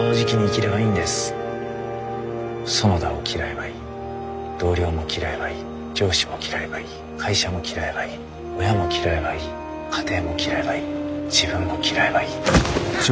園田を嫌えばいい同僚も嫌えばいい上司も嫌えばいい会社も嫌えばいい親も嫌えばいい家庭も嫌えばいい自分も嫌えばいい。